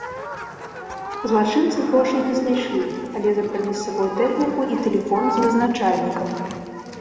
Злачынцы грошай не знайшлі, але забралі з сабой тэхніку і тэлефон з вызначальнікам.